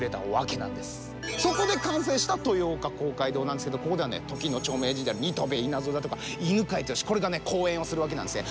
そこで完成した豊岡公会堂なんですけどここでは時の著名人である新渡戸稲造だとか犬養毅これがね講演をするわけなんですね。